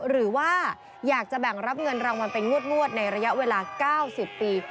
หรือว่าอยากจะแบ่งรับเงินรางวัลเป็นงวดในระยะเวลา๙๐ปี